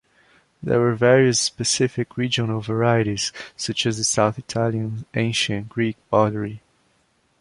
There were various specific regional varieties, such as the South Italian ancient Greek pottery.